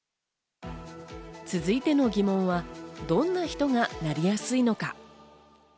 続いての疑問は、どんな人がなりやすいのか。